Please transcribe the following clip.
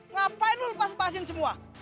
ngapain lo lepasin lepasin semua